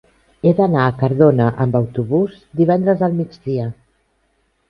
He d'anar a Cardona amb autobús divendres al migdia.